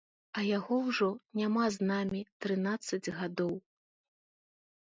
А яго ўжо няма з намі трынаццаць гадоў.